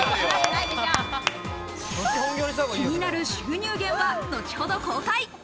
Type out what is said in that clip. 気になる収入源は後ほど公開。